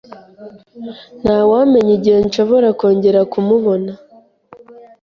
Ntawamenya igihe nshobora kongera kumubona